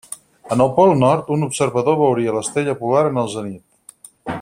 En el pol nord, un observador veuria l'estrela polar en el zenit.